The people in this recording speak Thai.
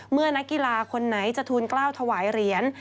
นักกีฬาคนไหนจะทูลกล้าวถวายเหรียญ